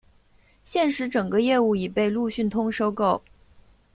现时整个业务已被路讯通收购。